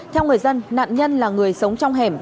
theo người dân nạn nhân là người sống trong hẻm